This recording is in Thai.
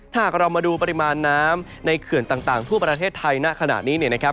หากเรามาดูปริมาณน้ำในเขื่อนต่างทั่วประเทศไทยณขณะนี้เนี่ยนะครับ